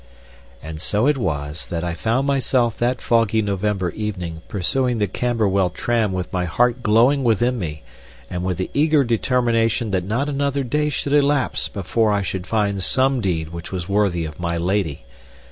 And so it was that I found myself that foggy November evening pursuing the Camberwell tram with my heart glowing within me, and with the eager determination that not another day should elapse before I should find some deed which was worthy of my lady.